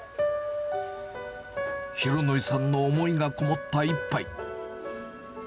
浩敬さんの思いが込もった一杯。